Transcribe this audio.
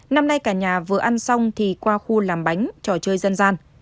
năm nay cả nhà vừa ăn xong thì qua khu làm bánh trò chơi dân gian